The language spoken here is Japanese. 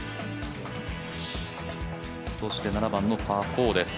そして７番のパー４です。